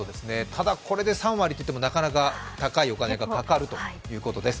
ただこれで３割といってもなかなか高いお金がかかるということです。